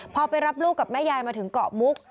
พอไปรับลูกกับแม่ยายมาถึงเกาะมุก